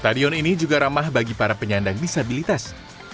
stadion ini juga ramah bagi para penyandang disabilitas